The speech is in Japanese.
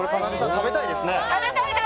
食べたいです！